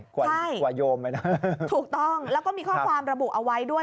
กว่าโยมไปนะถูกต้องแล้วก็มีข้อความระบุเอาไว้ด้วย